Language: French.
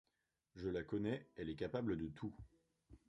Je la connais, elle est capable de tout !